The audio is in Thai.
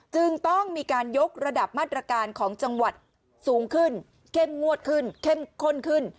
จึงต้องมีการยกระดับมาตรการของจังหวัดสูงขึ้นเข้มงวดขึ้นเข้มข้นขึ้น